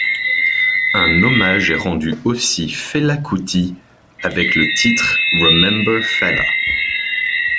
Un hommage est rendu aussi Fela Kuti avec le titre Remember Fela.